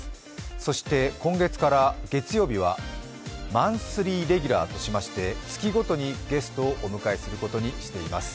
そして今月から月曜日は、マンスリーレギュラーとしまして、月ごとにゲストをお迎えすることにしています。